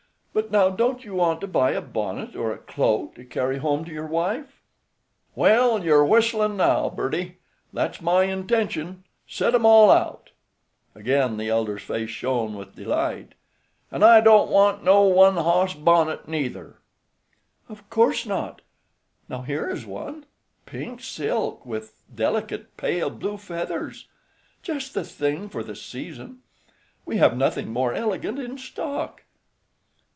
"But now don't you want to buy a bonnet or a cloak to carry home to your wife?" "Well, you're whistlin' now, birdie; that's my intention; set 'em all out." Again the elder's face shone with delight. "An' I don't want no one hoss bonnet neither." "Of course not. Now here is one; pink silk, with delicate pale blue feathers. Just the thing for the season. We have nothing more elegant in stock."